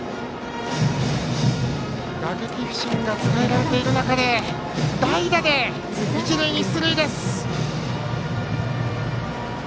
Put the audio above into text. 打撃不振が伝えられている中で代打で一塁に出塁です。